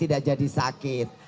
tidak jadi sakit